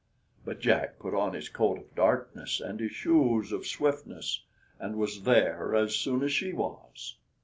But Jack put on his coat of darkness and his shoes of swiftness, and was there as soon as she was.